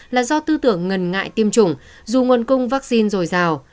là do tư tưởng ngần ngại tiêm chủng dù nguồn cung vaccine rồi rào